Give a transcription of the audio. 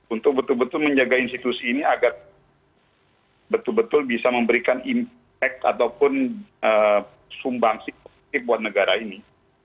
untuk betul betul menjaga institusi ini agar betul betul bisa memberikan impact ataupun sumbangsi positif buat negara ini